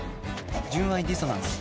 「純愛ディソナンス」